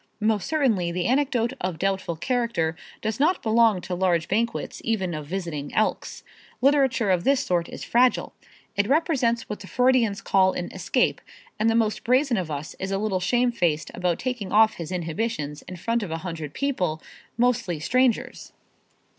Most certainly the anecdote of doubtful character does not belong to large banquets even of visiting Elks. Literature of this sort is fragile. It represents what the Freudians call an escape, and the most brazen of us is a little shamefaced about taking off his inhibitions in front of a hundred people, mostly strangers.